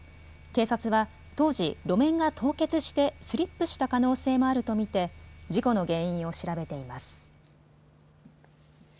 警察は当時、路面が凍結してスリップした可能性もあると見て事故の原因を調べています。